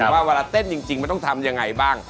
ว่าเวลาเต้นจริงมันต้องทำยังไงบ้าง